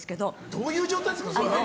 どういう状態ですか？